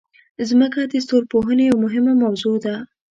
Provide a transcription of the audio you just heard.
مځکه د ستورپوهنې یوه مهمه موضوع ده.